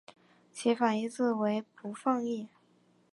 其反义字为不放逸。